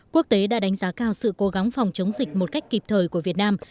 quốc tế đã đánh giá cao sự cố gắng phòng chống dịch một cách kịp thời của việt nam